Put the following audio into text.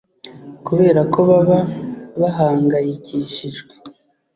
kubera ko baba bahangayikishijwe